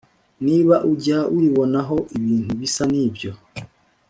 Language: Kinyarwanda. niba ujya wibonaho ibintu bisa n’ibyo